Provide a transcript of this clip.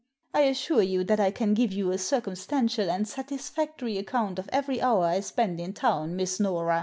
I assure you that I can give you a circumstantial and satisfactory account of every hour I spent in town. Miss Nora."